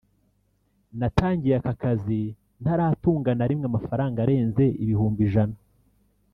“natangiye aka kazi ntaratunga na rimwe amafaranga arenze ibihumbi ijana